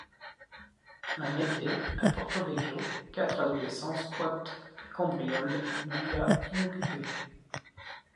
Un été, à Porto-Vecchio, quatre adolescents squattent puis cambriolent une villa inoccupée.